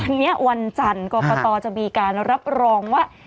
วันนี้วันจันทร์กรกตจะมีการรับรองว่า